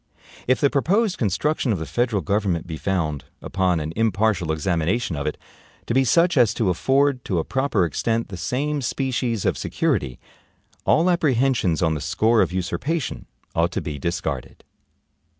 If the proposed construction of the federal government be found, upon an impartial examination of it, to be such as to afford, to a proper extent, the same species of security, all apprehensions on the score of usurpation ought to be discarded.